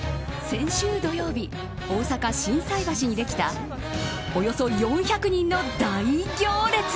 先週土曜日大阪・心斎橋にできたおよそ４００人の大行列。